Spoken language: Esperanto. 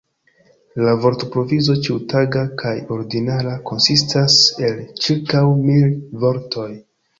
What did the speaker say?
La vortprovizo, ĉiutaga kaj ordinara, konsistas el ĉirkaŭ mil vortoj.